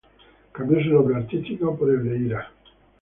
Cambió su nombre artístico por el de Ira.